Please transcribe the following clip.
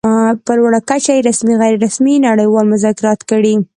په لوړه کچه يې رسمي، غیر رسمي او نړۍوال مذاکرات کړي.